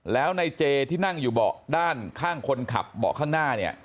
แล้วในเจที่นั่งอยู่เบาะด้านข้างคนขับเบาะข้างหน้าเนี่ย